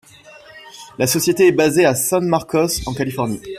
La société est basée à San Marcos en Californie.